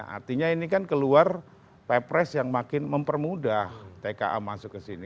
artinya ini kan keluar pepres yang makin mempermudah tka masuk ke sini